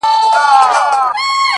نن مي بيا يادېږي ورځ تېرېږي;